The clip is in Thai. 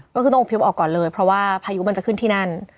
ก็คือต้องอบพยพออกก่อนเลยเพราะว่าพายุมันจะขึ้นที่นั่น